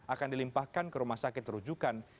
akan dilimpahkan ke rumah sakit terujukan